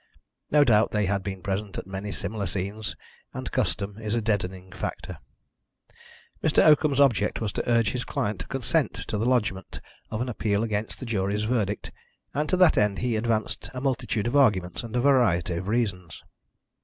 No doubt they had been present at many similar scenes, and custom is a deadening factor. Mr. Oakham's object was to urge his client to consent to the lodgement of an appeal against the jury's verdict, and to that end he advanced a multitude of arguments and a variety of reasons.